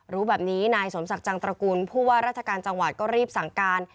รู้แบบนี้นายสมศักดิ์จังตระกูลผู้ว่าราชการจังหวัดก็รีบสั่งการ